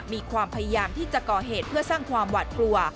มีความพยายามที่จะก่อเหตุเพื่อสร้างความหวาดกลัว